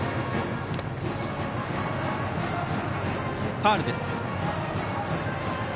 ファウルです。